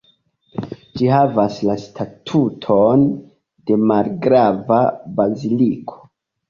Ĝi havas la statuton de malgrava baziliko.